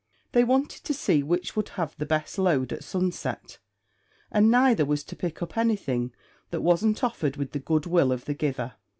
They wanted to see which would have the best load at sunset, and neither was to pick up anything that wasn't offered with the good will of the giver.